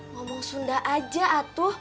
ngomong sunda aja atuh